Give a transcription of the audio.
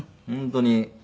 本当に。